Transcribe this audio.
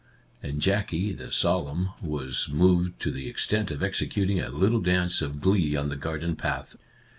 And Jackie, the solemn, was moved to the extent of executing a little dance of glee on the garden path.